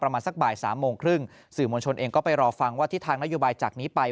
ประมาณสักบ่ายสามโมงครึ่งสื่อมวลชนเองก็ไปรอฟังว่าทิศทางนโยบายจากนี้ไป